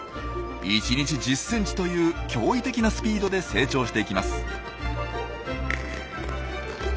１日１０ｃｍという驚異的なスピードで成長していきます。